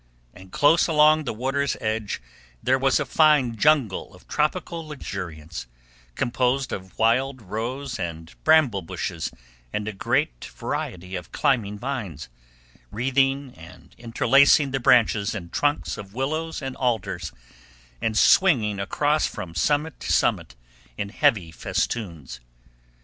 And close along the water's edge there was a fine jungle of tropical luxuriance, composed of wild rose and bramble bushes and a great variety of climbing vines, wreathing and interlacing the branches and trunks of willows and alders, and swinging across from summit to summit in heavy festoons.